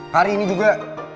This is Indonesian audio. hari ini juga